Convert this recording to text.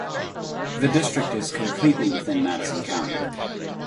The district is completely within Madison County.